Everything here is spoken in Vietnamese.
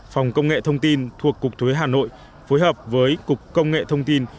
phòng công nghệ thông tin thuộc cục thuế hà nội phối hợp với cục công nghệ thông tin